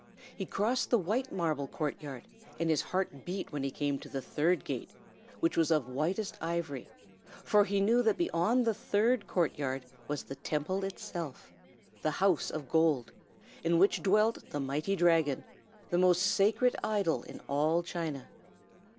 He crossed the white marble court yard, and his heart beat when he came to the third gate, which was of whitest ivory, for he knew that beyond the third court yard was the Temple itself, the House of Gold, in which dwelt the mighty Dragon, the most sacred idol in all China.